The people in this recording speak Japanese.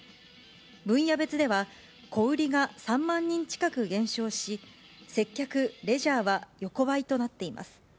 分野別では、小売りが３万人近く減少し、接客・レジャーは横ばいとなっています。